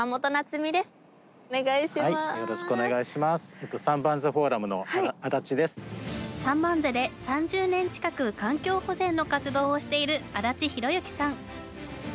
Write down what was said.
三番瀬で３０年近く環境保全の活動を続けている安達宏之さん。